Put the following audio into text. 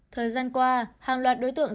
thời gian qua hàng loạt đối tượng